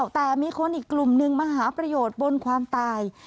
แต่มีคนอีกกลุ่มนึงมาหาประโยชน์บนความตาย